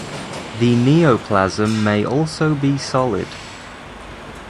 The neoplasm may also be solid.